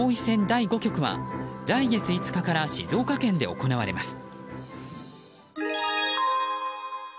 第５局は来月５日から静岡県で行われます。